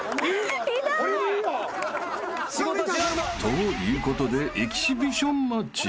［ということでエキシビションマッチへ］